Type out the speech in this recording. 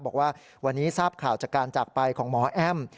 บอกว่าวันนี้ทราบข่าวจากการจากไปของหมอแอ้ม